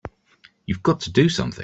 You've got to do something!